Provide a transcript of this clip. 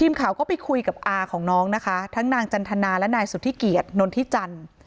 ทีมข่าวก็ไปคุยกับอาของน้องนะคะทั้งนางจันทนาและนายสุธิเกียจนนนทิจันทร์